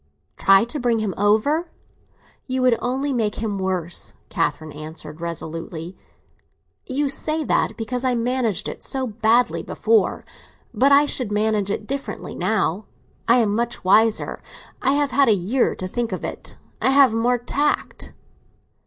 "Try to bring him over? You would only make him worse," Catherine answered resolutely. "You say that because I managed it so badly before. But I should manage it differently now. I am much wiser; I have had a year to think of it. I have more tact."